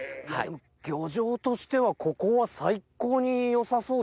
漁場としてはここは最高に良さそうですよね。